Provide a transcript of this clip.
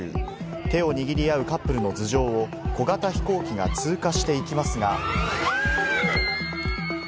手を握り合うカップルの頭上を小型飛行機が通過していきますが。